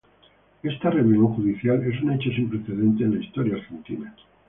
Esta "rebelión judicial" es un hecho sin precedentes en la historia argentina.